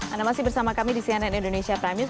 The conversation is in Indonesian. anda masih bersama kami di cnn indonesia prime news